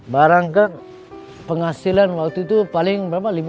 barangka penghasilan waktu itu paling berapa